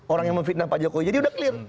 orang yang memfitnah pajak koi sudah clear